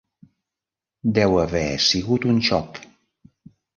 Deu haver sigut un xoc.